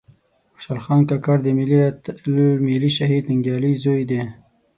خوشال خان کاکړ د ملي آتل ملي شهيد ننګيالي ﺯوې دې